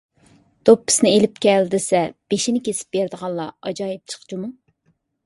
دوپپىسىنى ئېلىپ كەل دېسە، بېشىنى كېسىپ بېرىدىغانلار ئاجايىپ جىق جۇمۇ!